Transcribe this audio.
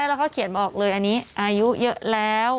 แล้วก็เขียนบอกเลยอันนี้อายุเยอะแล้ว